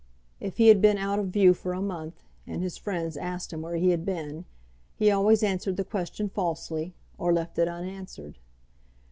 If he had been out of view for a month, and his friends asked him where he had been, he always answered the question falsely, or left it unanswered.